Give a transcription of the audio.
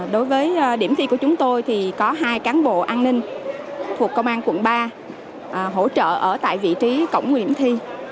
đối với điểm thi của chúng tôi thì có hai cán bộ an ninh thuộc công an quận ba hỗ trợ ở tại vị trí cổng nguyễn thi